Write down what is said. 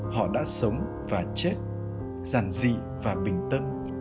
họ đã sống và chết giản dị và bình tâm